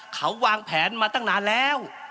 เขาวางแผนมาตั้งนานแล้ว